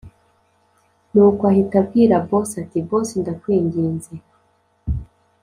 nuko ahita abwira boss ati”boss ndakwinginze